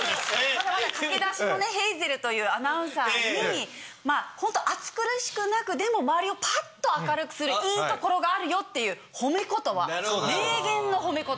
まだまだ駆け出しのヘイゼルというアナウンサーにホント暑苦しくなくでも周りをパッと明るくするいいところがあるよっていう褒め言葉名言の褒め言葉です。